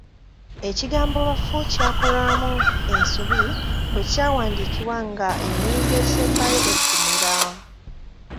Ekigambo ‘baffu’ kyakolwamu ensobi bwe kyawandiikibwa nga ennyingo esembayo eggumira